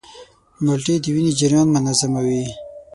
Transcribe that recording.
مالټې د وینې جریان منظموي.